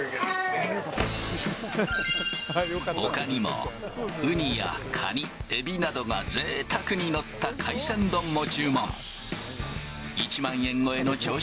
ほかにもウニやカニ、エビなどがぜいたくに載った海鮮丼も注文。